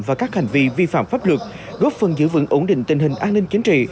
và các hành vi vi phạm pháp luật góp phần giữ vững ổn định tình hình an ninh chính trị